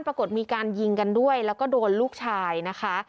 ปรากฏมีการยิงกันด้วยแล้วก็โดนลูกชายนะคะ